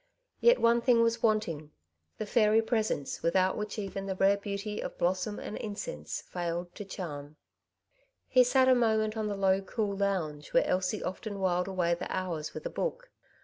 Yet one thing was wanting — the fairy presence without which even the rare beauty of blossom and incense failed to charm. He sat a moment on the low cool lounge, where Elsie often whiled away the hours with a book.